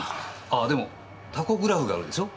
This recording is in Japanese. あでもタコグラフがあるでしょ？